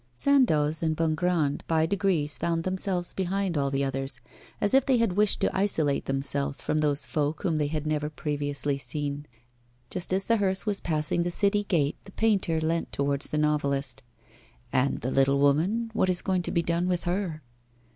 Sandoz and Bongrand by degrees found themselves behind all the others, as if they had wished to isolate themselves from those folk whom they had never previously seen. Just as the hearse was passing the city gate, the painter leant towards the novelist. 'And the little woman, what is going to be done with her?